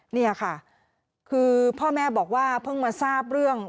นี่ค่ะคือพ่อแม่บอกว่าเพิ่งมาทราบเรื่อง